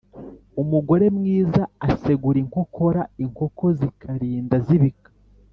Umugore mwiza asegura inkokora inkoko zikarinda zibika.